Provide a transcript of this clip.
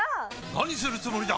何するつもりだ！？